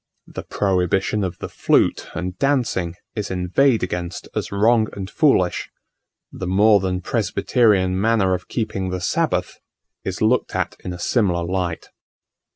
The prohibition of the flute and dancing is inveighed against as wrong and foolish; the more than presbyterian manner of keeping the sabbath is looked at in a similar light.